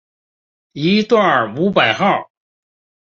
一段五百号